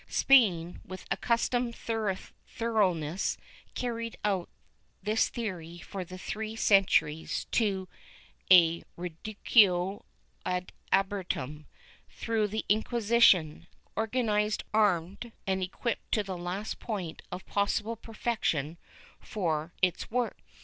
Spain, with accus tomed thoroughness, carried out this theory for three centuries to a rednctio ad ahsiirdum, through the Inquisition, organized, armed and equipped to the last point of possible perfection for its work.